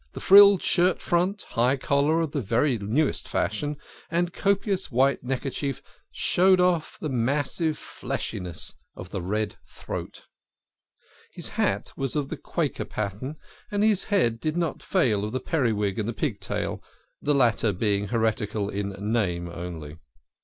The frilled shirt front, high collar of the very newest fashion, and copious white necker chief showed off the massive fleshiness of the red throat. His hat was of the Quaker pattern, and his head did not fail of the periwig and the pigtail, the latter being heretical in name only.